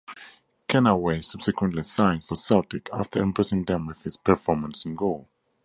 Kennaway subsequently signed for Celtic after impressing them with his performance in goal.